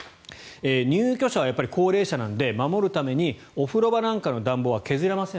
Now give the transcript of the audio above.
入居者は高齢者なので守るためにお風呂場なんかの暖房は削れません。